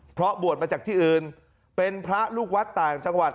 เพราะบวชมาจากที่อื่นเป็นพระลูกวัดต่างจังหวัด